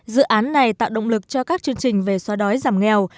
dự án này tạo động lực cho các chương trình về xóa đói giảm nghèo